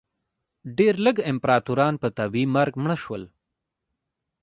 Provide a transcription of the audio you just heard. ډېر لږ امپراتوران په طبیعي مرګ مړه شول